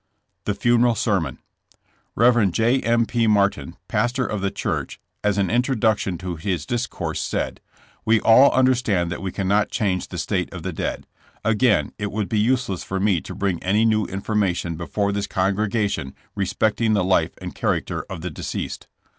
THE FUNERAL SERMON. Bcv. J. M. P. Martin, pastor of the church, as an introduction to his discourse said : We all under stand that we cannot change the state of the dead. Again, it would be useless for me to bring any new information before this congregation respecting the life and character of the deceased.